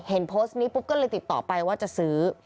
โพสต์นี้ปุ๊บก็เลยติดต่อไปว่าจะซื้อ